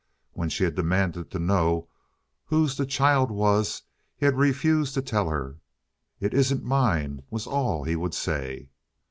When she had demanded to know whose the child was he had refused to tell her. "It isn't mine," was all he would say.